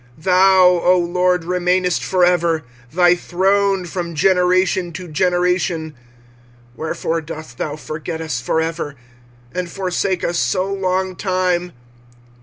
25:005:019 Thou, O LORD, remainest for ever; thy throne from generation to generation. 25:005:020 Wherefore dost thou forget us for ever, and forsake us so long time?